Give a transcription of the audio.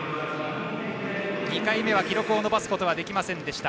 ２回目は記録を伸ばすことができませんでした。